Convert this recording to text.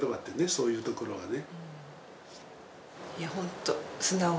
そういうところはね。